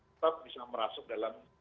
tetap bisa merasuk dalam